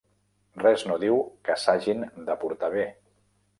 Res no diu que s'hagin de portar bé.